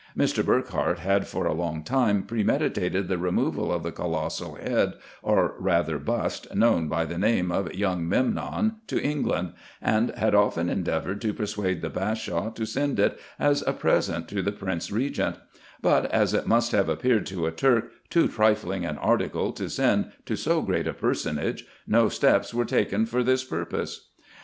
Mr. Eurckhardt had for a long time premeditated the removal of the colossal head, or rather bust, known by the name of Young Memnon, to England, and had often endeavoured to persuade the Bashaw to send it as a present to the Prince Regent ; but as it must have appeared to a Turk too trifling an article to send to so great a personage, no steps were taken for this purpose.